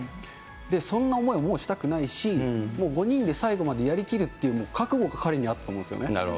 そんな思いはもうしたくないし、もう５人で最後までやりきるっていう覚悟が彼にあったと思うんですよね。